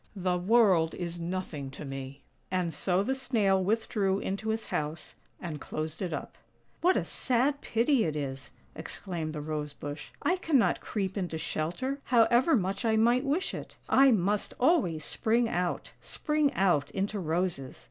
The world is nothing to me." And so the Snail withdrew into his house, and closed it up. "What a sad pity it is!" exclaimed the Rose bush. "I cannot creep into shelter, however much I might wish it. I must always spring out, spring out into roses.